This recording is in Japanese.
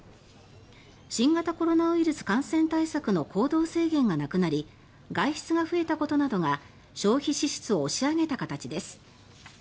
新型コロナウイルス感染対策の行動制限がなくなり外出が増えたことなどが消費支出を押し上げた形です。